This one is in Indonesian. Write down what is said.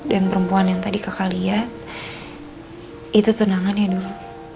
dan perempuan yang tadi kakak lihat itu tunangannya dulu